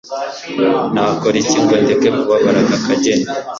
nakora iki ngo ndeke kubabara akageni